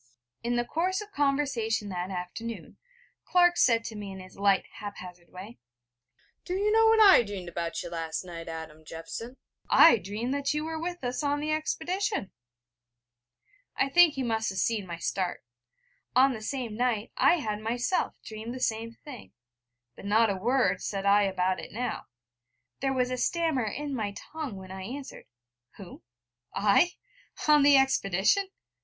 In the course of conversation that afternoon, Clark said to me in his light hap hazard way: 'Do you know what I dreamed about you last night, Adam Jeffson? I dreamed that you were with us on the expedition.' I think he must have seen my start: on the same night I had myself dreamed the same thing; but not a word said I about it now. There was a stammer in my tongue when I answered: 'Who? I? on the expedition?